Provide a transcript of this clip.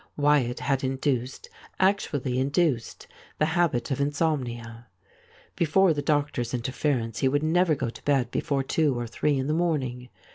Wyatt had induced— actually induced — the habit of insomnia. Before the doctor's interference he would never go to bed before two or three in the morning.